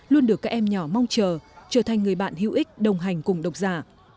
luôn được các em nhỏ mong chờ trở thành người bạn hữu ích đồng hành cùng độc giả